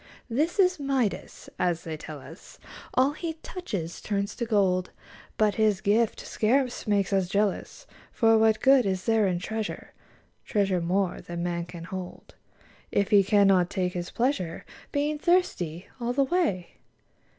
This is Midas : as they tell us, All he touches turns to gold, But his gift scarce makes us jealous ; For what good is there in treasure. Treasure more than man can hold. If he cannot take his pleasure, Being thirsty all the way